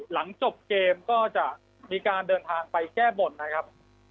หลังจบเกมก็จะมีการเดินทางไปแก้บนนะครับ